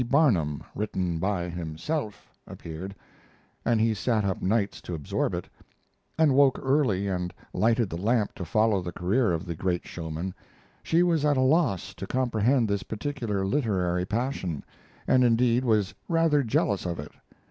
Barnum, Written by Himself, appeared, and he sat up nights to absorb it, and woke early and lighted the lamp to follow the career of the great showman, she was at a loss to comprehend this particular literary passion, and indeed was rather jealous of it.